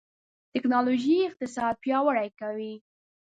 ټکنالوژي اقتصاد پیاوړی کوي.